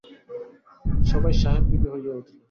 সবাই সাহেব-বিবি হইয়া উঠিল।